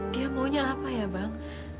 dia maunya apa ya bang